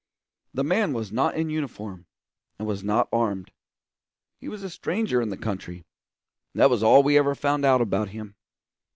The man was not in uniform, and was not armed. He was a stranger in the country; that was all we ever found out about him.